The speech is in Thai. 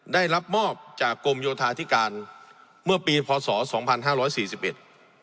ได้รับมอบจากกรมโยธาธิการเมื่อปีพศสองพันห้าร้อยสี่สิบเอ็ด